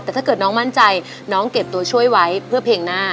แต่ถ้าเกิดน้องมั่นใจน้องเก็บตัวช่วยไว้เพื่อเพลงหน้า